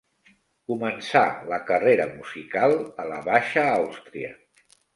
Començà la carrera musical a la Baixa Àustria.